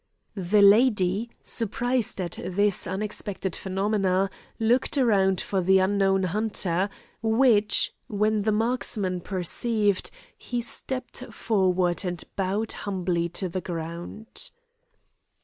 The lady, surprised at this unexpected phenomena, looked round for the unknown hunter, which, when the marksman perceived, he stepped forward and bowed humbly to the ground.